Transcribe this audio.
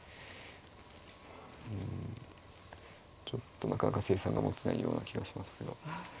うんちょっとなかなか成算が持てないような気がしますが。